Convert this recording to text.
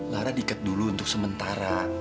lara diikat dulu untuk sementara